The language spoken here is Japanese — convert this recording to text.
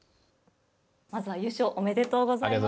まずは優勝おめでとうございます。